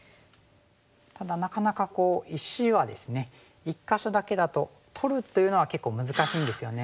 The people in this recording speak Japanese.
ただなかなか石はですね１か所だけだと取るというのは結構難しいんですよね。